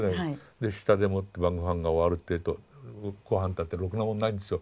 で下でもって晩御飯が終わるっていうと御飯たってろくなもんないんですよ。